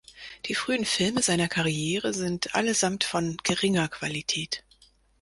Die frühen Filme seiner Karriere sind allesamt von geringer Qualität.